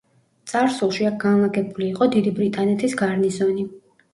წარსულში აქ განლაგებული იყო დიდი ბრიტანეთის გარნიზონი.